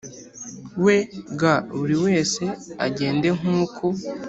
we g buri wese agende nk uko